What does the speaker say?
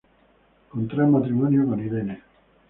Contrae matrimonio con Irene.